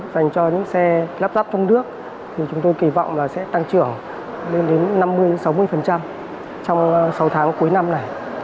dành cho những xe lắp ráp trong nước thì chúng tôi kỳ vọng là sẽ tăng trưởng lên đến năm mươi sáu mươi trong sáu tháng cuối năm này